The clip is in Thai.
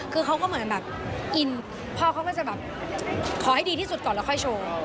คือเขาก็เหมือนแบบอินพ่อเขาก็จะแบบขอให้ดีที่สุดก่อนแล้วค่อยโชว์